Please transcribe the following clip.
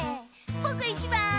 ぼくいちばん！